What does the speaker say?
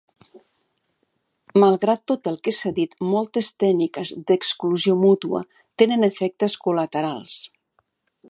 Malgrat tot el que s'ha dit, moltes tècniques d'exclusió mútua tenen efectes col·laterals.